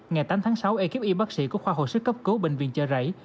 ngày tám tháng sáu ekip y bác sĩ của khoa hồi sức cấp cứu bệnh viện chợ rẫy